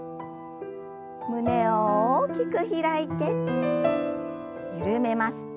胸を大きく開いて緩めます。